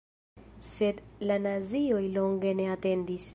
Sed la nazioj longe ne atendis.